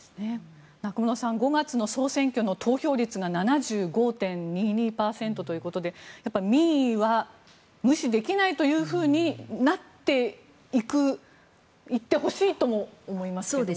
中室さん５月の総選挙の投票率が７５．２２％ということで民意は無視できないとなっていってほしいとも思いますが。